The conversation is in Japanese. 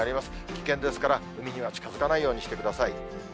危険ですから、海には近づかないようにしてください。